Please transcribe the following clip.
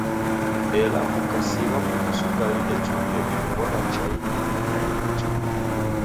Ela kukasigha putu sukari echuria idungwagha chainyi ikaiaa nicha.